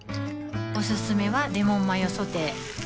おすすめはレモンマヨソテー